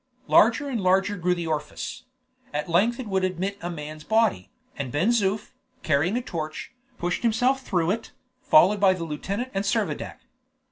Larger and larger grew the orifice; at length it would admit a man's body, and Ben Zoof, carrying a torch, pushed himself through it, followed by the lieutenant and Servadac.